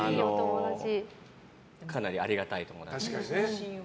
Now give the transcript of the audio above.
かなりありがたい友達です。